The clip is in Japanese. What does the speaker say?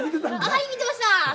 はい見てました。